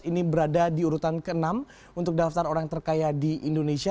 ini berada di urutan ke enam untuk daftar orang terkaya di indonesia